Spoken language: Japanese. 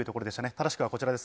正しくはこちらです。